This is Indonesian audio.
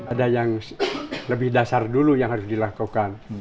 ada yang lebih dasar dulu yang harus dilakukan